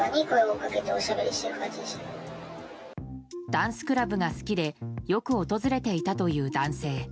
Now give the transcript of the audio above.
ダンスクラブが好きでよく訪れていたという男性。